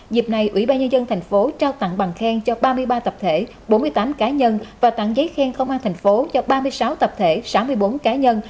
dịp này ủy ban nhân dân tp hcm trao tặng bằng khen cho ba mươi ba tập thể bốn mươi tám cá nhân và tặng giấy khen công an thành phố cho ba mươi sáu tập thể sáu mươi bốn cá nhân